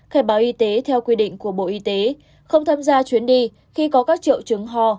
khai báo y tế theo quy định của bộ y tế không tham gia chuyến đi khi có các triệu chứng ho